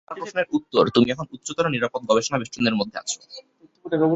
তোমার প্রশ্নের উত্তর, তুমি এখন উচ্চতর নিরাপদ গবেষণা বেষ্টনীর মধ্যে আছো।